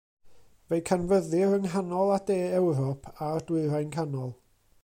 Fe'i canfyddir yng nghanol a de Ewrop a'r Dwyrain canol.